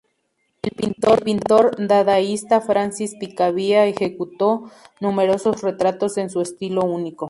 El pintor dadaísta Francis Picabia ejecutó numerosos retratos en su estilo único.